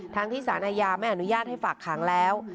ทั้งที่สารอาญาไม่อนุญาตให้ฝากขังแล้ว